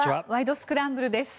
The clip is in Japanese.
スクランブル」です。